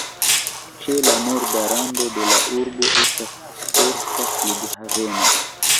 Ĉe la norda rando de la urbo estas sporta flughaveno.